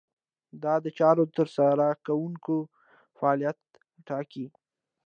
دا د چارو د ترسره کوونکو فعالیت ټاکي.